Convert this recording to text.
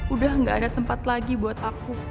udah gak ada tempat lagi buat aku